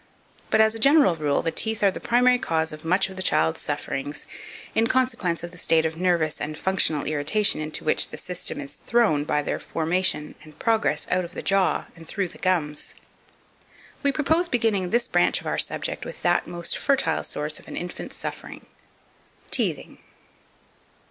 But, as a general rule, the teeth are the primary cause of much of the child's sufferings, in consequence of the state of nervous and functional irritation into which the system is thrown by their formation and progress out of the jaw and through the gums. We propose beginning this branch of our subject with that most fertile source of an infant's suffering Teething.